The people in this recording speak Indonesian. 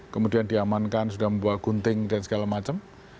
kemudian diamankan sudah membuat gunting dan segala macam